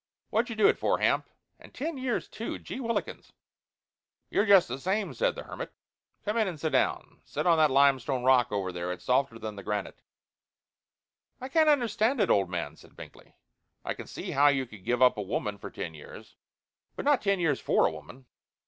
What 'd you do it for, Hamp? And ten years, too gee whilikins!" "You're just the same," said the hermit. "Come in and sit down. Sit on that limestone rock over there; it's softer than the granite." "I can't understand it, old man," said Binkley. "I can see how you could give up a woman for ten years, but not ten years for a woman.